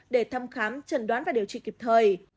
để thăm khám chẩn đoán và điều trị kịp thời